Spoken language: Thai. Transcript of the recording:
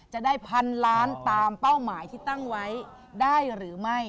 จะได้พันล้านตามเป้าหมายที่ตั้งไว้ได้หรือไม่